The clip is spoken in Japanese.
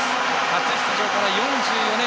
初出場から４４年。